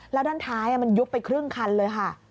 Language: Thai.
แล้วด้านท้ายมันยุบไปครึ่งคันเลยค่ะ